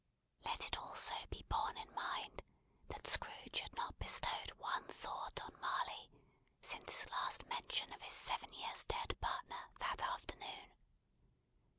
Let it also be borne in mind that Scrooge had not bestowed one thought on Marley, since his last mention of his seven years' dead partner that afternoon.